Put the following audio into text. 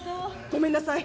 ごめんなさい。